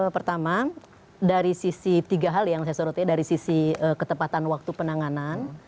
pertama dari sisi tiga hal yang saya soroti dari sisi ketepatan waktu penanganan